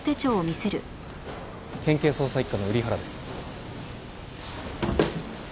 県警捜査一課の瓜原です。